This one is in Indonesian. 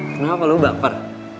kenapa lo baper